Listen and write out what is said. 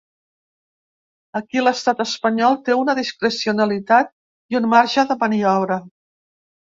Aquí l’estat espanyol té una discrecionalitat i un marge de maniobra.